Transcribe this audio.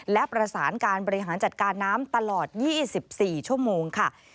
และประสานการบริหารจัดการน้ำตลอด๒๔ชั่วโมงค่ะ